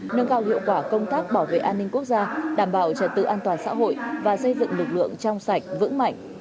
nâng cao hiệu quả công tác bảo vệ an ninh quốc gia đảm bảo trật tự an toàn xã hội và xây dựng lực lượng trong sạch vững mạnh